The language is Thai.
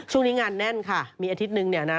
ช่วงนี้งานแน่นค่ะมีอาทิตย์นึงเนี่ยนะ